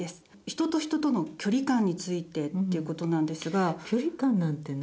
人と人との距離感についてっていうことなんですが。